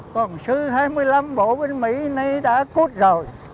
còn sứ hai mươi năm bộ binh mỹ nay đã cút rồi